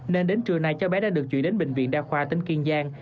nên đến trưa nay cháu bé đã được chuyển đến bệnh viện đa khoa tỉnh kiên giang